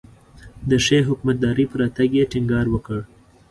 د ښې حکومتدارۍ پر راتګ یې ټینګار وکړ.